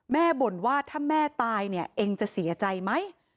บ่นว่าถ้าแม่ตายเนี่ยเองจะเสียใจไหม